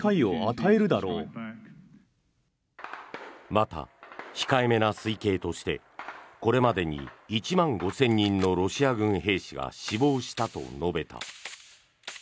また、控えめな推計としてこれまでに１万５０００人のロシア軍兵士が死亡したと述べた。